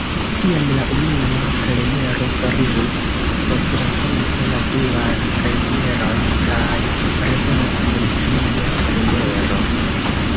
Tiam la unua kelnero foriris, postlasante la duan kelneron, kaj revenis kun tria kelnero.